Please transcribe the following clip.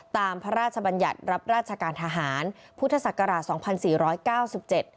ตามพระราชบัญญัติรับราชการทหารพุทธศักราช๒๔๙๗